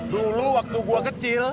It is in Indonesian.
dulu waktu gua kecil